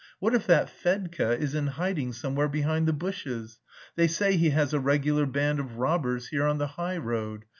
"What if that Fedka is in hiding somewhere behind the bushes? They say he has a regular band of robbers here on the high road.